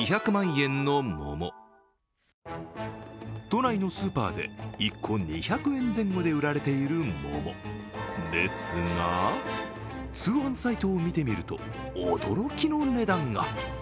都内のスーパーで１個２００円前後で売られている桃ですが通販サイトを見てみると、驚きの値段が。